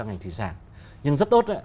ngành thủy sản nhưng rất tốt